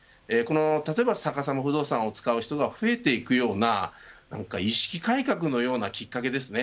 例えばさかさま不動産を使う人が増えていくような意識改革のようなきっかけですね